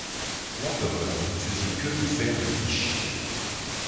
L'empereur ne faisait que nous faire des niches.